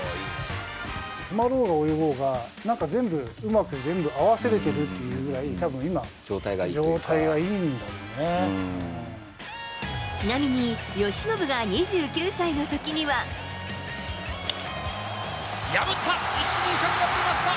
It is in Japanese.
詰まろうが泳ごうが、なんか全部、うまく全部合わせれてるっていうぐらい、たぶん今、状態がいいんちなみに、由伸が２９歳のと破った、１、２塁間破りました。